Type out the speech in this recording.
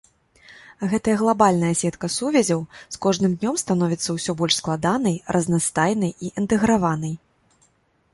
Гэтая глабальная сетка сувязяў з кожным днём становіцца ўсё больш складанай, разнастайнай і інтэграванай.